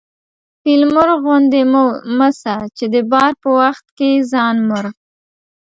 فيل مرغ غوندي مه سه چې د بار په وخت کې ځان مرغ